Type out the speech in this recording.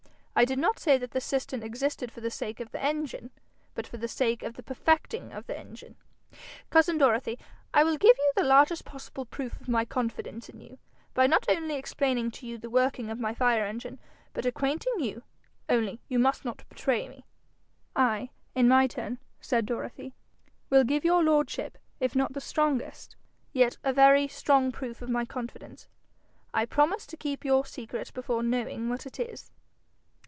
I did not say that the cistern existed for the sake of the engine, but for the sake of the perfecting of the engine. Cousin Dorothy, I will give you the largest possible proof of my confidence in you, by not only explaining to you the working of my fire engine, but acquainting you only you must not betray me!' 'I, in my turn,' said Dorothy, 'will give your lordship, if not the strongest, yet a very strong proof of my confidence: I promise to keep your secret before knowing what it is.'